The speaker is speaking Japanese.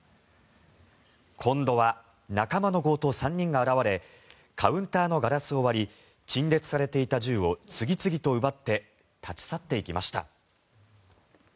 今度は仲間の強盗３人が現れカウンターのガラスを割り陳列されていた銃を次々と奪って立ち去っていきました。